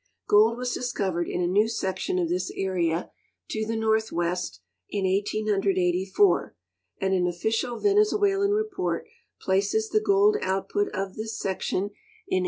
Gold was discovered in a new section of this area, to the northwest, in 1884, and an official Venezuelan report places the gold output of this sec tion in 18!)